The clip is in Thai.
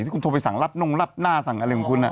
คุณโทรไปสั่งรับนงรับหน้าสั่งอะไรของคุณ